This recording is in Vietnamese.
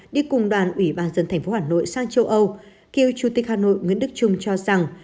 đi cùng đoàn ủy ban dân thành phố hà nội sang châu âu cựu chủ tịch hà nội nguyễn đức trung cho rằng